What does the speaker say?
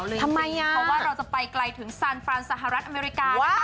เพราะว่าเราจะไปไกลถึงซานฟรานสหรัฐอเมริกา